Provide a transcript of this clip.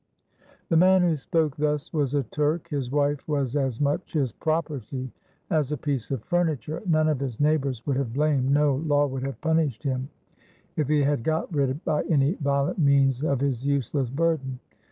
The man who spoke thus was a Turk. His wife was as much his property as a piece of furniture; none of his neighbours would have blamed, no law would have punished him, if he had got rid by any violent means of his useless burden.